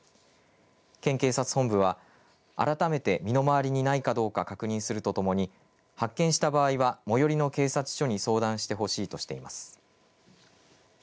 県警察本部は改めて身の回りにないかどうか確認するとともに発見した場合は最寄りの警察署に相談してほしいとしています。